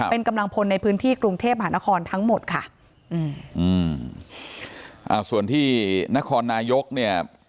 เป็นกำลังพลในพื้นที่กรุงเทพหานครทั้งหมดค่ะอืมอืมอ่าส่วนที่นครนายกเนี่ย